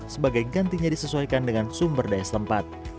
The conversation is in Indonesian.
sebagai gantinya disesuaikan dengan sumber daya setempat